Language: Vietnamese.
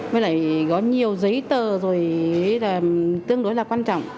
mới lại có nhiều giấy tờ rồi là tương đối là quan trọng